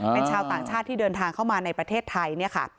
เป็นชาวต่างชาติที่เดินทางเข้ามาในประเทศไทยเนี่ยค่ะ